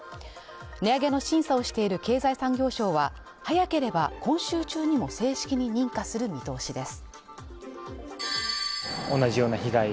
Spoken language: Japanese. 値上げの審査をしている経済産業省は早ければ今週中にも正式に認可する見通しです。